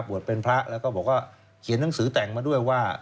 บวชเป็นพระแล้วก็เขียนหนังสือแต่งมาด้วยว่า